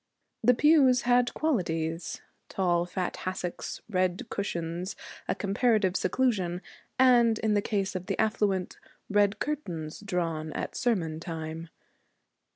The pew had qualities: tall fat hassocks, red cushions, a comparative seclusion, and, in the case of the affluent, red curtains drawn at sermon time.